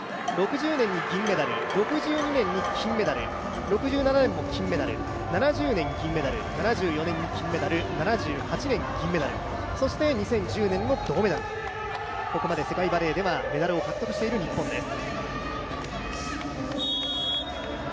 ６０年に銀メダル、６２年に金メダル、６７年も金メダル７９年、銀メダル、７４年に銀メダル７８年、銀メダル、そして、２０１０年、銅メダルとここまで世界バレーではメダルを獲得している日本です。